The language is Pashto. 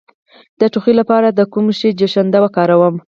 د ټوخي لپاره د کوم شي جوشانده وکاروم؟